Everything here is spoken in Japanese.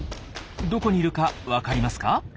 どこにいるかわかりますか？